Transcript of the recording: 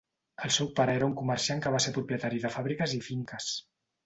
El seu pare era un comerciant que va ser propietari de fàbriques i finques.